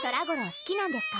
すきなんですか？